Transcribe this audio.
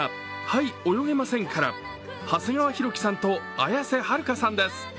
「はい、泳げません」から、長谷川博己さんと綾瀬はるかさんです。